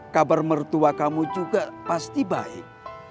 kabar mertua kamu juga pasti baik